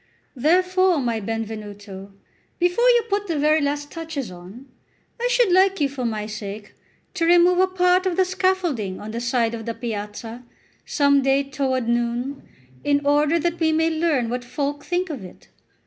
Therefore, my Benvenuto, before you put the very last touches on, I should like you, for my sake, to remove a part of the scaffolding on the side of the piazza, some day toward noon, in order that we may learn what folk think of it.